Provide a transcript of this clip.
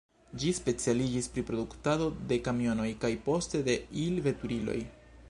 Ĝi specialiĝis pri produktado de kamionoj kaj poste de il-veturiloj.